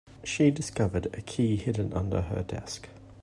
She discovered a key hidden under her desk.